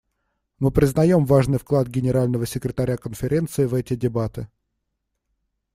Мы признаем важный вклад Генерального секретаря Конференции в эти дебаты.